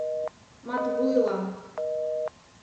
— Матвуйлан.